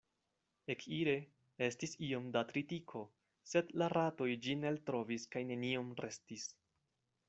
Ekire, estis iom da tritiko, sed la ratoj ĝin eltrovis, kaj neniom restis.